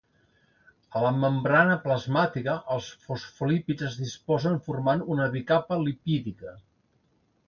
A la membrana plasmàtica, els fosfolípids es disposen formant una bicapa lipídica.